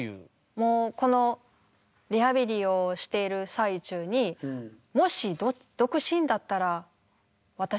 もうこのリハビリをしている最中にもし独身だったら私どうなってたかなって。